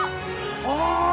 ああ！